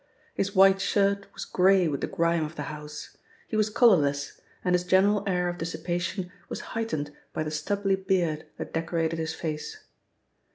His white shirt was grey with the grime of the house, he was collarless, and his general air of dissipation was heightened by the stubbly beard that decorated his face.